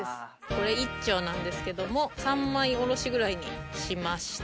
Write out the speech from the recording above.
これ１丁なんですけども三枚おろしぐらいにしまして。